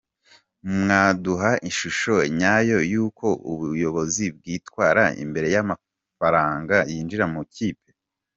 Mwaduha ishusho nyayo y’uko ubuyobozi bwitwara imbere y’amafaranga yinjira mu ikipe?.